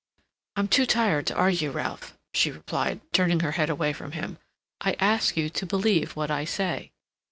"I'm too tired to argue, Ralph," she replied, turning her head away from him. "I ask you to believe what I say.